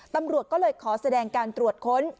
ตำรวจก็เลยขอแสดงการตรวจค้น